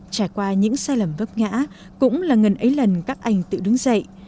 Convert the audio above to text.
trải qua những sai lầm vấp ngã cũng là ngần ấy lần các anh tự đứng dậy